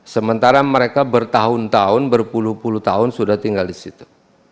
sementara mereka bertahun tahun berpuluh puluh tahun sudah tinggal di situ